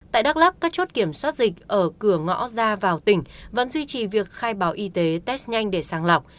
tại đắk lắc các chốt kiểm soát dịch ở cửa ngõ ra vào tỉnh vẫn duy trì việc khai báo y tế test nhanh để sàng lọc